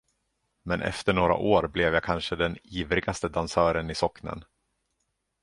Men efter några år blev jag den kanske ivrigaste dansören i socknen.